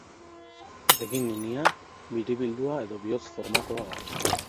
Begi-ninia biribildua edo bihotz formakoa da.